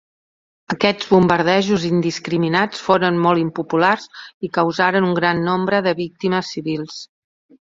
Aquests bombardejos indiscriminats foren molt impopulars i causaren un gran nombre de víctimes civils.